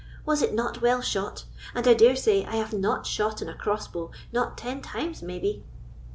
Was it not well shot? and, I dare say, I have not shot in a crossbow!—not ten times, maybe."